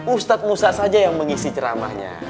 ustaz musa saja yang mengisi seramahnya